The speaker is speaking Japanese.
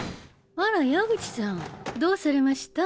あら矢口さんどうされました？